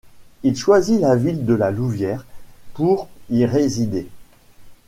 Il choisit la ville de La Louvière pour y résider.